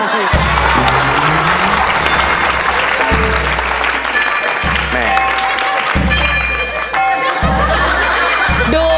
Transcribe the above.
ขอบคุณครับ